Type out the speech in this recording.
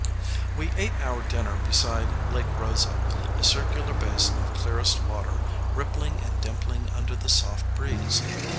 We ate our dinner beside Lake Rosa, a circular basin of clearest water rippling and dimpling under the soft breeze.